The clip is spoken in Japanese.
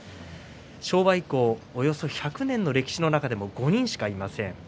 昭和以降、およそ１００年の歴史の中でも５人しかいません。